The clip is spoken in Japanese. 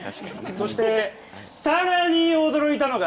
そしてさらに驚いたのが。